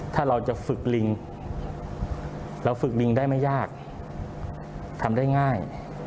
ถ้าเราจะฝึกลิงเราฝึกลิงได้ไม่ยากทำได้ง่าย